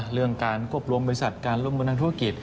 เรื่องการควบรวมบริษัทการร่วมมือทางธุรกิจ